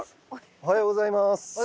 おはようございます。